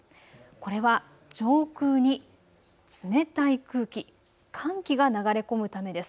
これは上空に冷たい空気、寒気が流れ込むためです。